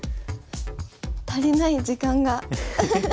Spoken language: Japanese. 足りない時間が。